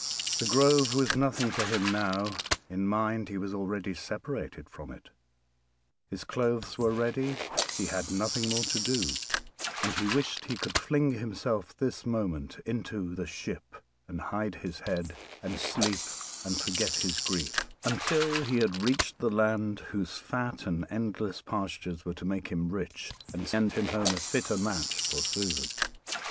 "The Grove" was nothing to him now in mind he was already separated from it; his clothes were ready, he had nothing more to do, and he wished he could fling himself this moment into the ship and hide his head, and sleep and forget his grief, until he reached the land whose fat and endless pastures were to make him rich and send him home a fitter match for Susan.